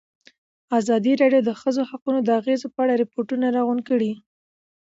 ازادي راډیو د د ښځو حقونه د اغېزو په اړه ریپوټونه راغونډ کړي.